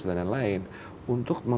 ini yang menjadi chairnya asean